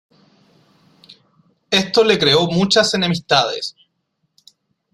Esto le creó muchas enemistades.